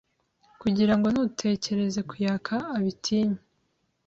kugira ngo n’utekereza kuyaka abitinye